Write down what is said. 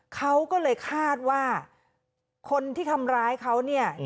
เขาก็เลยคาดว่าคนที่ทำร้ายเขาเนี่ย